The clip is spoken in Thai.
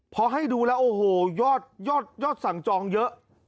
พอให้ดูแล้วโอ้โหยอดสั่งจองเยอะ